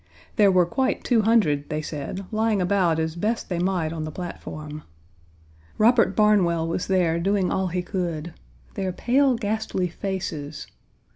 There were quite two hundred (they said) lying about as best they might on the platform. Robert Barnwell1 was there doing all he could. Their pale, ghastly faces!